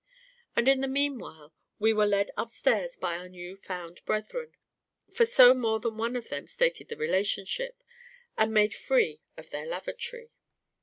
And in the meanwhile we were led upstairs by our new found brethren, for so more than one of them stated the relationship, and made free of their lavatory.